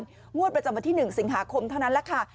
งวดประจำวันที่๑สิงหาคมเท่านั้นแหละค่ะ